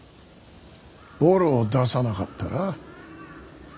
ボロを出さなかったら？